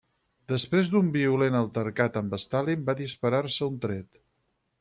Després d'un violent altercat amb Stalin va disparar-se un tret.